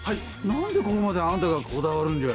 何でここまであんたがこだわるんじゃ？